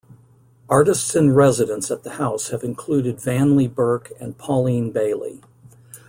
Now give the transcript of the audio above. Artists-in-residence at the house have included Vanley Burke and Pauline Bailey.